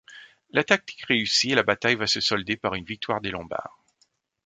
La tactique réussit et la bataille va se solder par une victoire des Lombards.